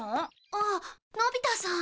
ああのび太さん。